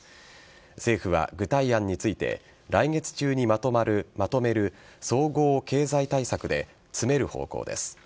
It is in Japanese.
政府は、具体案について来月中にまとめる総合経済対策で詰める方向です。